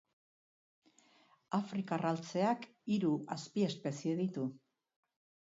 Afrikar altzeak hiru azpiespezie ditu.